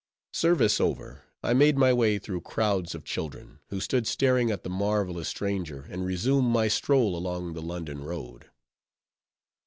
Service over, I made my way through crowds of children, who stood staring at the marvelous stranger, and resumed my stroll along the London Road.